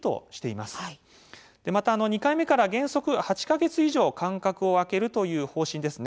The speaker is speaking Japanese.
また、２回目から原則８か月以上間隔を空けるという方針ですね。